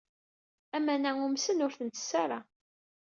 Aman-a umsen, ur ten-sess ara.